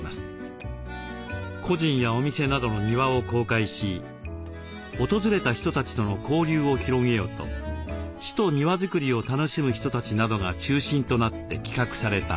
個人やお店などの庭を公開し訪れた人たちとの交流を広げようと市と庭づくりを楽しむ人たちなどが中心となって企画されたもの。